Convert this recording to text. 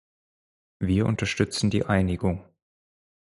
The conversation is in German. Wir unterstützen die Einigung.